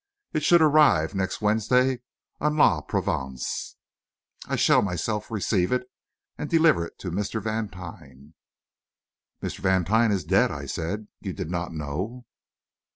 It should arrive next Wednesday on La Provence. I shall myself receive it, and deliver it to Mr. Vantine." "Mr. Vantine is dead," I said. "You did not know?"